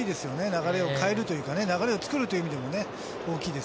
流れを変えるというか、流れを作るという意味では。